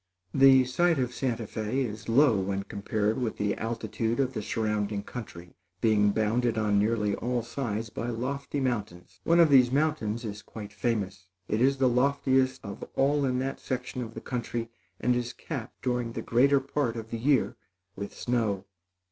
The site of Santa Fé is low when compared with the altitude of the surrounding country, being bounded on nearly all sides by lofty mountains. One of these mountains is quite famous. It is the loftiest of all in that section of country, and is capped during the greater part of the year with snow.